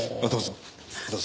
どうぞ。